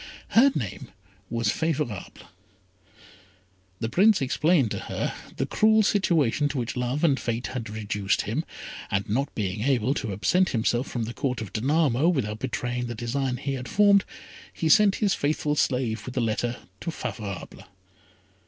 Her name was Favourable. The Prince explained to her the cruel situation to which love and fate had reduced him, and not being able to absent himself from the Court of Danamo without betraying the design he had formed, he sent his faithful slave with the letter to Favourable.